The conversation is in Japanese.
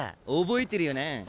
覚えてるよな？